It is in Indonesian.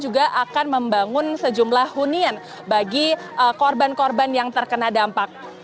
juga akan membangun sejumlah hunian bagi korban korban yang terkena dampak